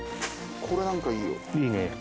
これなんかいいよ。